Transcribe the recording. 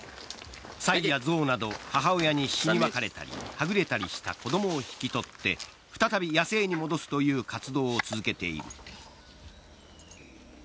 サイや象など母親に死に別れたりはぐれたりした子供を引き取って再び野生に戻すという活動を続けている。